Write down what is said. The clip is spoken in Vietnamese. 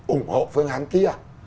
ủng hộ phương án kia